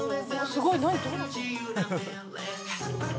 「すごいね」